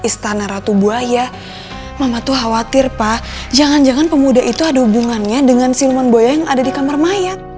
istana ratu buaya mama tuh khawatir pak jangan jangan pemuda itu ada hubungannya dengan silmon buaya yang ada di kamar maya